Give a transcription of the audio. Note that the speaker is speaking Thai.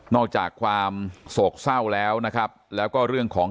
อกจากความโศกเศร้าแล้วนะครับแล้วก็เรื่องของ